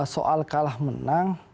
soal kalah menang